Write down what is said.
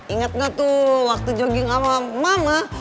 ingat gak tuh waktu jogging sama mama